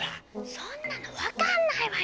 そんなの分かんないわよ！